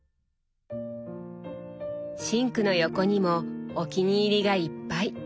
シンクの横にもお気に入りがいっぱい。